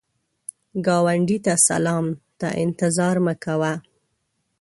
ګاونډي ته سلام ته انتظار مه کوه